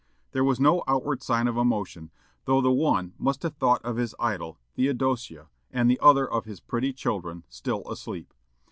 There was no outward sign of emotion, though the one must have thought of his idol, Theodosia, and the other of his pretty children, still asleep.